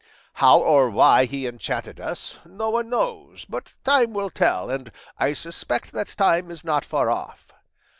How or why he enchanted us, no one knows, but time will tell, and I suspect that time is not far off.